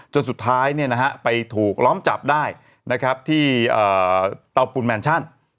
จนสุดท้ายไปถูกล้อมจับได้ที่เตาปูนแมนชั่น